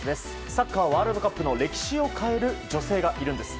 サッカーワールドカップの歴史を変える女性がいるんです。